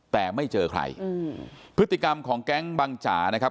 แต่ไม่เจอใครอืมพฤติกรรมของแก๊งบังจ๋านะครับ